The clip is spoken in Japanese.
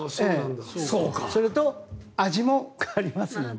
それと味も変わりますので。